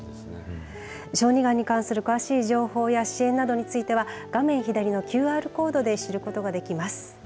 小児がんに関する詳しい情報や、支援などについては、画面左上のＱＲコードで知ることができます。